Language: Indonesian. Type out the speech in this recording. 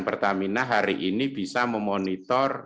pertamina hari ini bisa memonitor